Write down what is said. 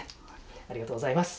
ありがとうございます。